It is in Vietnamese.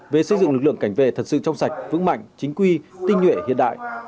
về xây dựng lực lượng cảnh vệ thật sự trong sạch vững mạnh chính quy tinh nhuệ hiện đại